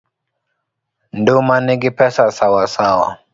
Nduma nigi pesa sawasawa.